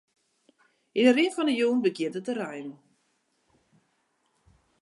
Yn 'e rin fan 'e jûn begjint it te reinen.